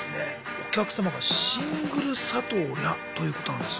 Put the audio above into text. お客様が「シングル里親」ということなんです。